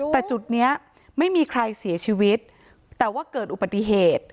แต่จุดนี้ไม่มีใครเสียชีวิตแต่ว่าเกิดอุบัติเหตุ